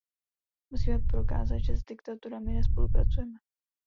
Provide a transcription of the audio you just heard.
Musíme prokázat, že s diktaturami nespolupracujeme.